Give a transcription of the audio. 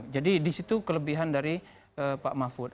jadi di situ kelebihan dari pak mahfud